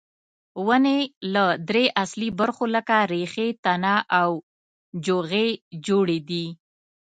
ونې له درې اصلي برخو لکه ریښې، تنه او جوغې جوړې دي.